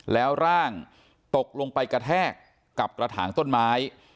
แล้วร่างตกลงไปกระแทกกับกระถางต้นไม้